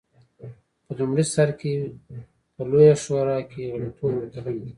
په لومړي سر کې په لویه شورا کې غړیتوب یو کلن و